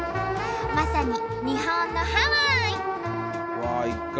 まさに日本のハワイ！